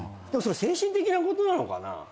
精神的なことなのかな？